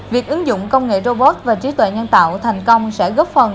việc ứng dụng công nghệ robot và trí tuệ nhân tạo thành công sẽ góp phần